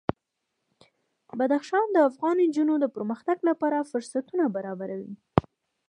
بدخشان د افغان نجونو د پرمختګ لپاره فرصتونه برابروي.